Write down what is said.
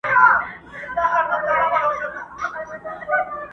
مُلا یې بولي تشي خبري،